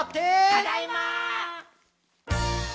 ただいま！